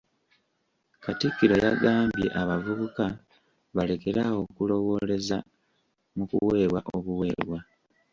Katikkiro yagambye abavubuka balekere awo okulowooleza mu kuweebwa obuweebwa.